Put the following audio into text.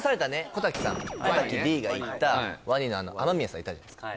小瀧Ｄが行ったワニの雨宮さんいたじゃないですか・